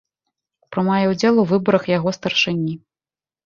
Прымае ўдзел у выбарах яго старшыні.